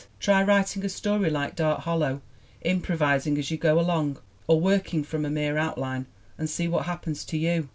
Try writing a story like Dark Hollow, improvising as you go along, or working from a mere outline, and see what happens to you!